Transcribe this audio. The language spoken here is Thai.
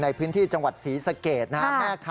ในพื้นที่จังหวัดศรีสะเกดนะครับ